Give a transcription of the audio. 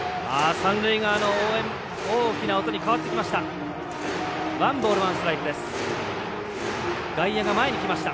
三塁側の応援、大きな音に変わってきました。